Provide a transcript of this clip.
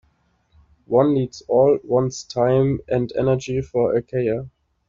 One needs all one's time and energy for a career.